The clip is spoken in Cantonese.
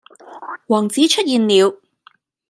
王子出現了